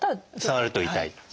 触ると痛い。